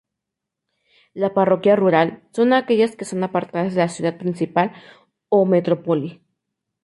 La parroquia rural son aquellas que son apartadas de la ciudad principal o metrópoli.